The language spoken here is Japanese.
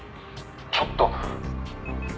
「ちょっと！」